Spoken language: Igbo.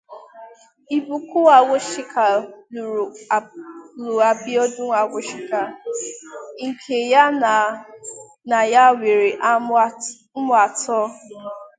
Ibukun Awosika luru Abiodun Awosika nke ya na ya nwere umu ato.